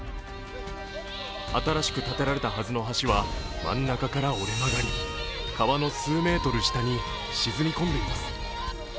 新しく建てられたはずの橋は真ん中から折れ曲がり、川の数メートル下に沈み込んでいます。